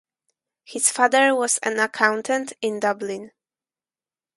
His father was an accountant in Dublin.